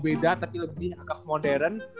beda tapi lebih agak modern